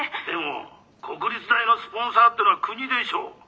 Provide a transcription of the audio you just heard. でも国立大のスポンサーってのは国でしょ？